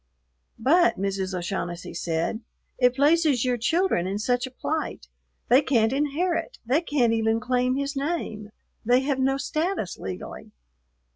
"But," Mrs. O'Shaughnessy said, "it places your children in such a plight; they can't inherit, they can't even claim his name, they have no status legally."